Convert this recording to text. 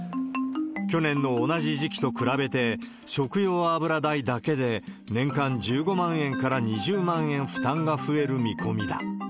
去年の同じ時期と比べて、食用油代だけで年間１５万円から２０万円負担が増える見込みだ。